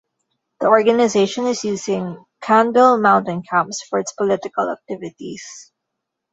The organization is using Qandil mountain camps for its political activities.